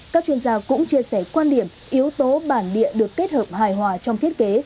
các chuyên gia cũng chia sẻ quan điểm yếu tố bản địa được kết hợp hài hòa trong thiết kế